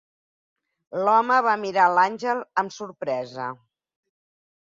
L'home va mirar l'àngel amb sorpresa.